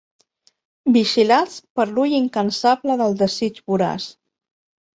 Vigilats per l'ull incansable del desig voraç.